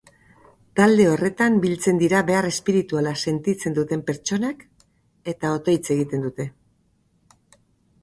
Talde horretan biltzen dira behar espirituala sentitzen duten pertsonak eta otoitz egiten dute.